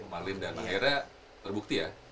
malin dan akhirnya terbukti ya